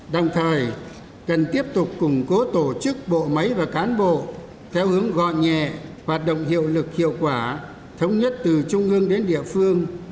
đồng thời cần tiếp tục củng cố tổ chức bộ máy và cán bộ theo hướng gọn nhẹ hoạt động hiệu lực hiệu quả thống nhất từ trung ương đến địa phương